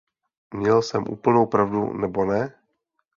Měl jsem úplnou pravdu, nebo ne?